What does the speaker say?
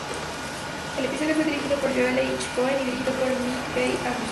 El episodio fue dirigido por Joel H. Cohen y dirigido por Mike B. Anderson.